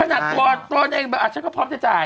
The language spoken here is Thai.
ถ้าหนัดตัวตัวนั้นเองเหมือนอะฉันก็พร้อมจะจ่าย